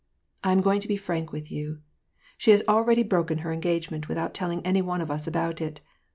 I am going to be frank with you, she has already broken her engagement, without telling any one of us about it.